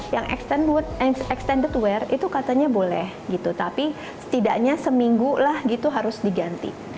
yang extended wear itu katanya boleh gitu tapi setidaknya seminggu lah gitu harus diganti